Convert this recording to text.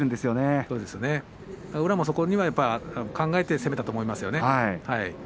宇良も考えて攻めたと思いますよね。